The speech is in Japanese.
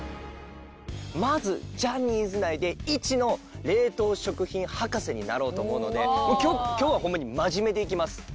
まずジャニーズ内で１の冷凍食品博士になろうと思うので今日はホンマに真面目でいきます。